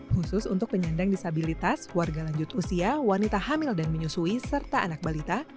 khusus untuk penyandang disabilitas warga lanjut usia wanita hamil dan menyusui serta anak balita